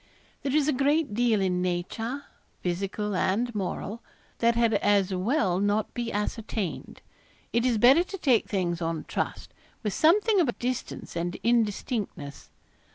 There is a great deal in nature, physical and moral, that had as well not be ascertained. It is better to take things on trust, with something of distance and indistinctness.